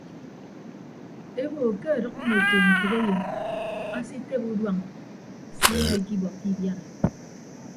Ebo ke adʌk mmoto ntәkeyịn asitebe uduañ simaikibọkọ ibiara.